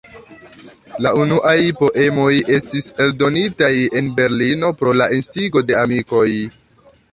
La unuaj poemoj estis eldonitaj en Berlino pro la instigo de amikoj.